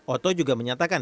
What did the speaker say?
oto juga menyatakan